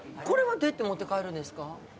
これはどうやって持って帰るんですか？